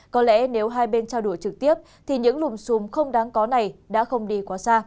có lẽ nếu hai bên trao đổi trực tiếp thì những lùm xùm không đáng có này đã không đi quá xa